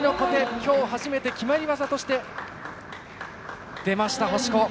今日初めて決まり技として出ました、星子。